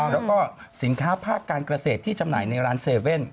แล้วก็สินค้าภาคการเกษตรที่จำหน่ายในร้าน๗๑๑